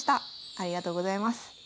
ありがとうございます。